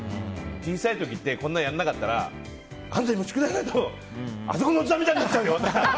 小さい時って、やらなかったらあんた宿題やらないとあそこのおじさんみたいになっちゃうよ！とか。